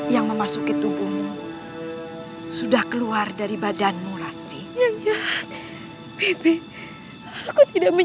jangan pernah meremehkan kami